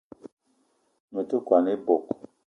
Me te kwan ebog